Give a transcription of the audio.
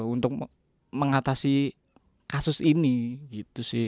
untuk mengatasi kasus ini